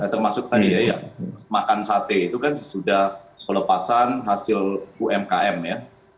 termasuk tadi ya yang makan sate itu kan sesudah pelepasan hasil umkm ya